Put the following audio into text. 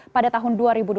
pada tahun dua ribu dua puluh